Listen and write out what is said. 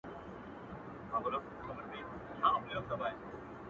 دا چي انجوني ټولي ژاړي سترگي سرې دي _